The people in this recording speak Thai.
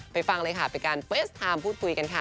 ไปฟังเลยค่ะไปกันเฟสทามพูดคุยกันค่ะ